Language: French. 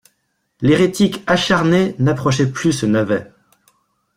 L'hérétique acharnée n'approchait plus ce navet.